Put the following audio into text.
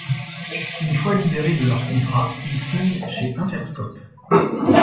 Une fois libérés de leur contrat, ils signent chez Interscope.